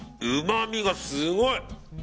うまみがすごい！